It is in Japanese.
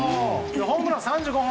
ホームランは３５本。